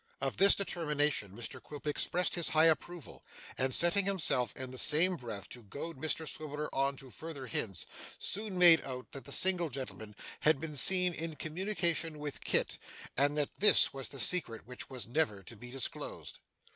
Of this determination Mr Quilp expressed his high approval, and setting himself in the same breath to goad Mr Swiveller on to further hints, soon made out that the single gentleman had been seen in communication with Kit, and that this was the secret which was never to be disclosed.